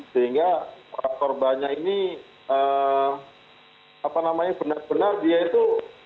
sehingga korbannya ini apa namanya benar benar dia itu